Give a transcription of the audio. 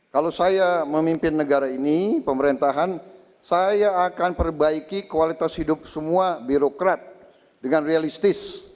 kalau saya memimpin negara ini pemerintahan saya akan perbaiki kualitas hidup semua birokrat dengan realistis